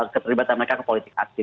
keterlibatan mereka ke politik aktif